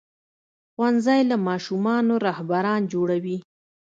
ښوونځی له ماشومانو رهبران جوړوي.